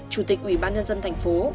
chủ tịch ủy ban nhân dân thành phố